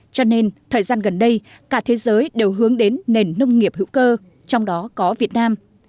cho nên thời gian gần đây cả thế giới đều hướng đến nền nông nghiệp hữu cơ trong đó có việt nam